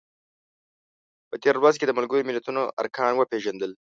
په تېر لوست کې د ملګرو ملتونو ارکان وپیژندل.